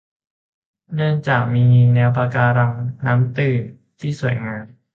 เนื่องจากมีแนวปะการังน้ำตื้นที่สวยงาม